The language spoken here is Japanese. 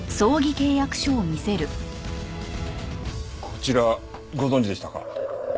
こちらご存じでしたか？